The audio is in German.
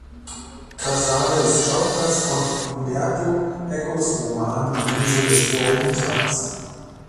Casale ist Schauplatz von Umberto Ecos Roman "Die Insel des vorigen Tages".